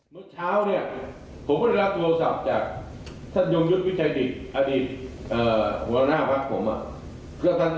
แล้วลูกฉันก็บอกไม่มีมันเกี่ยว